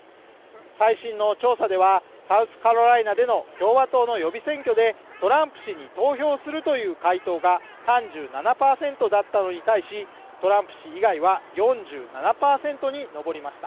最新の調査では、サウスカロライナでの共和党の予備選挙でトランプ氏に投票するという回答が３７％だったのに対し、トランプ氏以外は４７％に上りました。